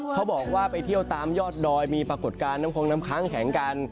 เขาบอกว่าไปเที่ยวตามยอดดอยมีปรากฏการณ์น้ำคงน้ำค้างแข็งกัน